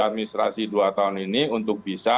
administrasi dua tahun ini untuk bisa